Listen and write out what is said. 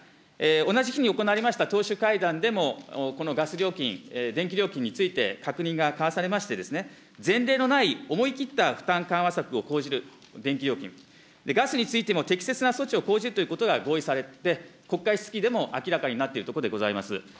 同じ日に行われた、党首会談でも、このガス料金、電気料金について、確認が交わされまして、前例のない思い切った負担緩和策を講じる電気料金、ガスについても適切な措置を講じるということが合意されて、国会質疑でも明らかになっているところでございます。